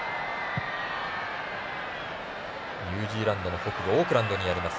ニュージーランドの北部オークランドにあります